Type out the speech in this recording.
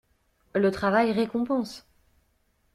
Le travail récompense.